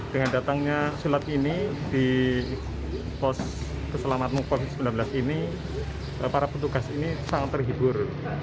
dengan datangnya silat ini di pos keselamatanmu covid sembilan belas ini para petugas ini sangat terhibur